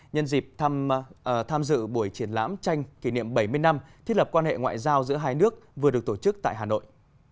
nhân dịp tham dự buổi triển lãm tranh kỷ niệm bảy mươi năm thiết lập quan hệ ngoại giao giữa hai nước vừa được tổ chức tại hà nội